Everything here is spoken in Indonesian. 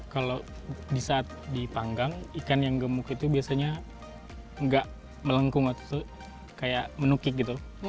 kalau di saat dipanggang ikan yang gemuk itu biasanya nggak melengkung waktu itu kayak menukik gitu